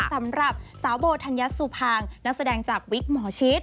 สำหรับสาวโบธัญสุภางนักแสดงจากวิกหมอชิด